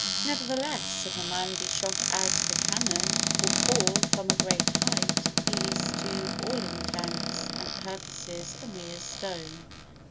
Nevertheless, if a man be shot out of a cannon, or fall from a great height, he is to all intents and purposes a mere stone.